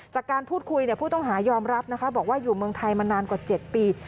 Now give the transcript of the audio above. จากการพูดคุยผู้ต้องหายอมรับนะคะบอกว่าอยู่เมืองไทยมานานกว่า๗ปี